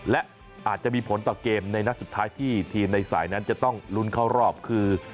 และอาจจะมีผลต่อเกมในนัดสุดท้ายที่ทีมในสายนั้นจะต้องลุ้นเข้ารอบคือ